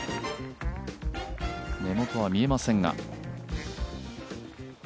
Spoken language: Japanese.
根元が見えませんが。